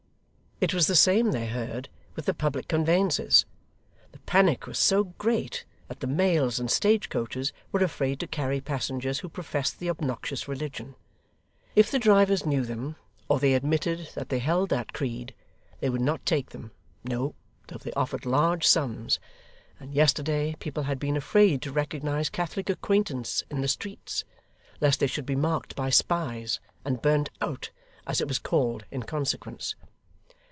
It was the same, they heard, with the public conveyances. The panic was so great that the mails and stage coaches were afraid to carry passengers who professed the obnoxious religion. If the drivers knew them, or they admitted that they held that creed, they would not take them, no, though they offered large sums; and yesterday, people had been afraid to recognise Catholic acquaintance in the streets, lest they should be marked by spies, and burnt out, as it was called, in consequence.